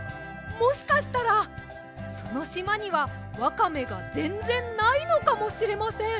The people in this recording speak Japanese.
もしかしたらそのしまにはわかめがぜんぜんないのかもしれません！